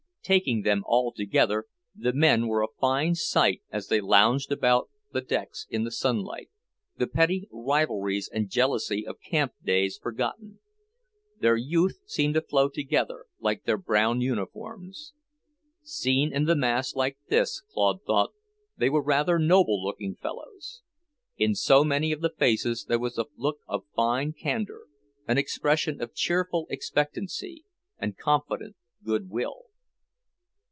Taking them altogether the men were a fine sight as they lounged about the decks in the sunlight, the petty rivalries and jealousies of camp days forgotten. Their youth seemed to flow together, like their brown uniforms. Seen in the mass like this, Claude thought, they were rather noble looking fellows. In so many of the faces there was a look of fine candour, an expression of cheerful expectancy and confident goodwill.